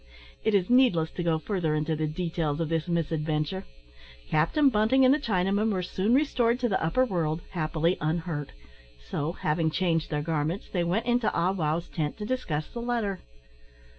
It is needless to go further into the details of this misadventure. Captain Bunting and the Chinaman were soon restored to the upper world, happily, unhurt; so, having changed their garments, they went into Ah wow's tent to discuss the letter.